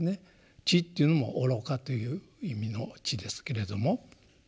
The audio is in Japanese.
「癡」っていうのも愚かという意味の「癡」ですけれども。